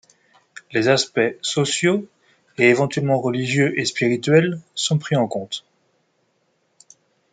Les aspects, sociaux, et éventuellement religieux et spirituels, sont pris en compte.